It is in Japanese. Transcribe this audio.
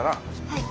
はい。